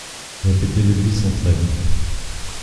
Répétez-le lui sans trêve.